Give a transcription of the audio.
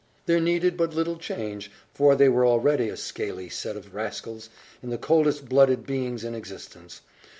There needed but little change, for they were already a scaly set of rascals, and the coldest blooded beings in existence.